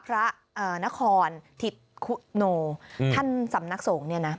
พระนครทิศคุโนท่านสำนักสงฆ์เนี่ยนะ